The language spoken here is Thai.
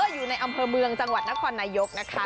อยู่ในอำเภอเมืองจังหวัดนครนายกนะคะ